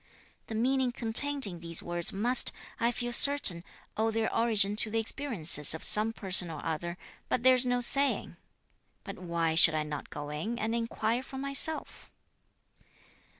The meaning contained in these words must, I feel certain, owe their origin to the experiences of some person or other; but there's no saying. But why should I not go in and inquire for myself?"